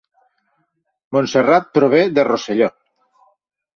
Montserrat prové de Rosselló